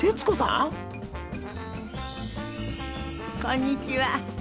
こんにちは。